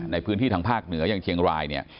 ในพื้นที่ทางภาคเหนือยังเชียงราย